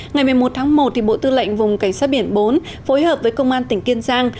ngày một mươi một tháng một bộ tư lệnh vùng cảnh sát biển bốn phối hợp với công an tỉnh kiên giang